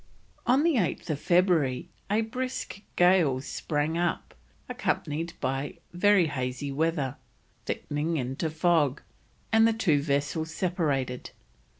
On 8th February a brisk gale sprang up, accompanied by very hazy weather, thickening into fog, and the two vessels separated.